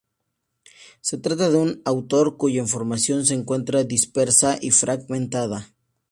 Se trata de un autor cuya Información se encuentra dispersa y fragmentada.